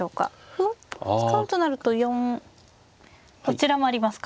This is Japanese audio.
歩を使うとなると４どちらもありますか。